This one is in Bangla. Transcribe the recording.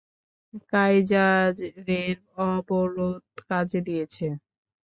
কাইযারের অবরোধ কাজে দিয়েছে।